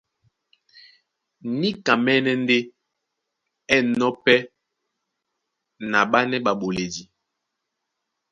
Níkamɛ́nɛ́ ndé é enɔ̄ pɛ́ na ɓánɛ́ ɓaɓoledi.